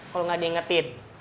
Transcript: kalau nggak diingetin